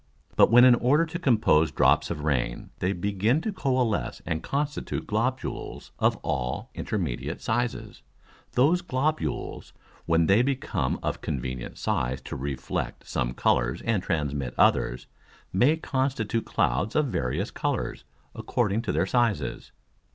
But when in order to compose drops of Rain they begin to coalesce and constitute Globules of all intermediate sizes, those Globules, when they become of convenient size to reflect some Colours and transmit others, may constitute Clouds of various Colours according to their sizes.